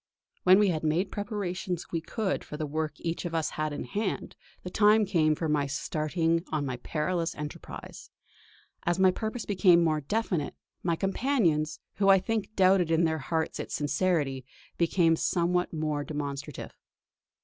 When we had made what preparations we could for the work each of us had in hand, the time came for my starting on my perilous enterprise. As my purpose became more definite, my companions, who I think doubted in their hearts its sincerity, became somewhat more demonstrative.